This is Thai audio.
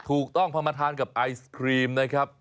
ถูกต้องพอมาทานกับไอศครีมนะครับ